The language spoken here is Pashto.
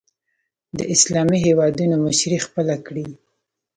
د اسلامي هېوادونو مشري خپله کړي